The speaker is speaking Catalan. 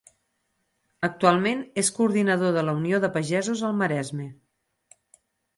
Actualment és coordinador de la Unió Pagesos al Maresme.